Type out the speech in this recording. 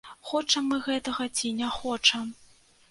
Хочам мы гэтага ці не хочам.